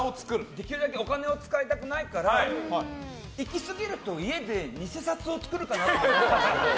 できるだけお金を使いたくないからいきすぎると家で偽札を作るかなと。